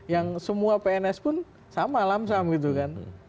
yang semua pns pun sama lamsam gitu kan